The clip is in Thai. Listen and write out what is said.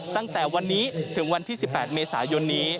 ตั้งแต่วันนี้ถึงวันที่๑๘เมษายนนี้